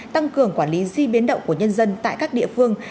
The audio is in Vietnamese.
tăng cường quản lý di biến động của nhân dân tại các địa phương